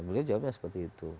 beliau jawabnya seperti itu